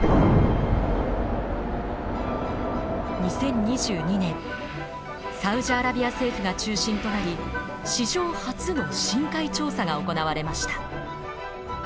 ２０２２年サウジアラビア政府が中心となり史上初の深海調査が行われました。